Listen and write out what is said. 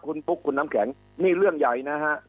คุณปุ๊กคุณน้ำแข็งนี่เรื่องใหญ่นะฮะ